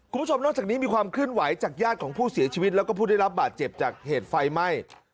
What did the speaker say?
คุณผู้ชมนอกจากนี้มีความเคลื่อนไหวจากญาติของผู้เสียชีวิตแล้วก็ผู้ได้รับบาดเจ็บจากเหตุไฟไหม้